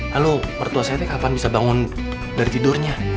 lalu mertua saya kapan bisa bangun dari tidurnya